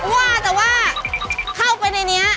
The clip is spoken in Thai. ว่าแต่ว่าเข้าไปในนี้